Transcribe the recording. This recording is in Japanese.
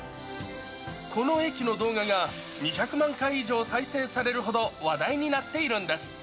この駅の動画が２００万回以上再生されるほど話題になっているんです。